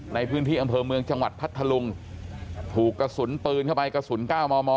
ในพื้นที่อำเภอเมืองจังหวัดพัทธลุงถูกกระสุนปืนเข้าไปกระสุน๙มม